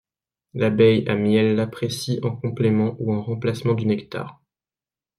L'abeille à miel l'apprécie en complément ou en remplacement du nectar.